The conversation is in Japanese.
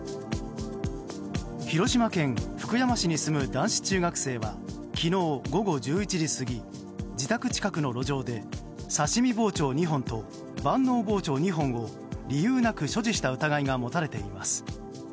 広島県福山市に住む男子中学生は昨日午後１１時過ぎ自宅近くの路上で刺し身包丁２本と万能包丁２本を理由なく所持した疑いが持たれています。